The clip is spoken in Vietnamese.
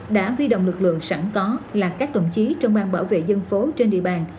đã vi động lực lượng sẵn có là các tổng chí trong bang bảo vệ dân phố trên địa bàn